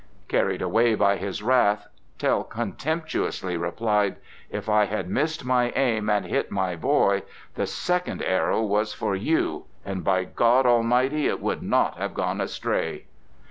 Carried away by his wrath, Tell contemptuously replied: "If I had missed my aim and hit my boy, the second arrow was for you, and, by God Almighty, it would not have gone astray!"